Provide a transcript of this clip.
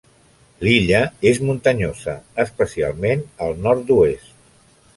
L'illa és muntanyosa, especialment al nord-oest.